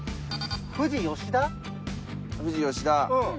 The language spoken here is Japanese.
富士吉田。